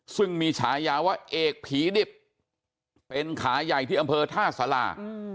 ซึ่งมีฉายาว่าเอกผีดิบเป็นขาใหญ่ที่อำเภอท่าสารา